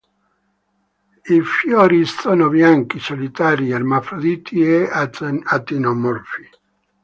I fiori sono bianchi, solitari, ermafroditi e attinomorfi.